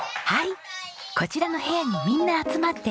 こちらの部屋にみんな集まって遊んでます。